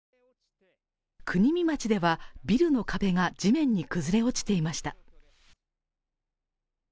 国見町では、ビルの壁が地面に崩れ落ちていました。